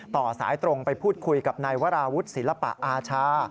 ต่อสายตรงไปพูดคุยกับนายวราวุฒิศิลปะอาชา